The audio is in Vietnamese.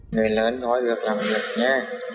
nói được làm việc nha